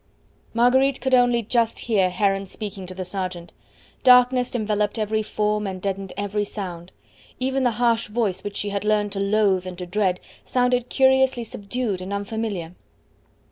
Marguerite could only just hear Heron speaking to the sergeant. Darkness enveloped every form and deadened every sound. Even the harsh voice which she had learned to loathe and to dread sounded curiously subdued and unfamiliar.